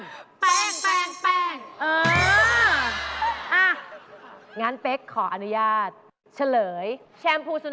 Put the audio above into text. อ้าวแล้ว๓อย่างนี้แบบไหนราคาถูกที่สุด